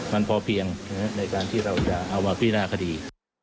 มันพอเพียงในการที่เราจะเอามาพินาคดี